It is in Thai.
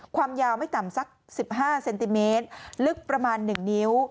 ความยาวไม่ต่ำสัก๑๕เซนติเมตรลึกประมาณ๑นิ้ว